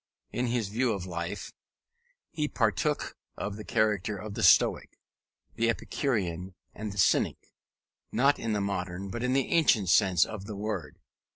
In his views of life he partook of the character of the Stoic, the Epicurean, and the Cynic, not in the modern but the ancient sense of the word.